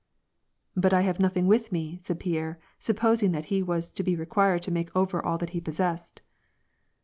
" But I have nothing with me," said Pierre, supposing that he was to be required to make over all that he possessed.